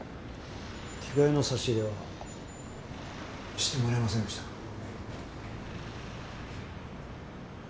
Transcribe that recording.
着替えの差し入れはしてもらえませんでしたか？